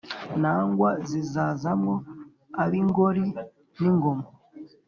nangwa zizaza mwo ab’ingori n’ingoma,